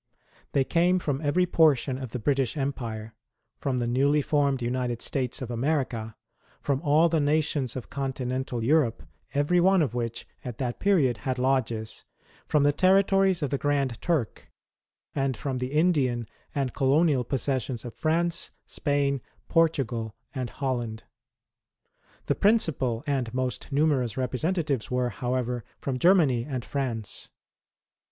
They came from every portion of the British Empire ; from the newly formed United States of America ; from all the nations of Continental Europe, every one of which, at that period, had lodges ; from the territories of the Grand Turk ; and from the Indian and Colonial possessions of France, Spain, Portugal, and Holland. The principal and most numerous representatives were, however, from Germany and France.